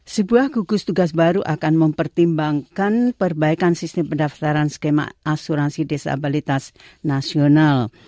sebuah gugus tugas baru akan mempertimbangkan perbaikan sistem pendaftaran skema asuransi disabilitas nasional